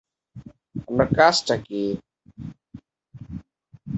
এছাড়া কিছু তিব্বতি জাতির মানুষও বাস করেন।